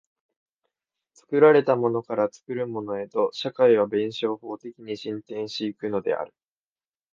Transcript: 作られたものから作るものへと、社会は弁証法的に進展し行くのである。